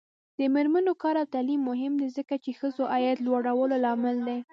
د میرمنو کار او تعلیم مهم دی ځکه چې ښځو عاید لوړولو لامل دی.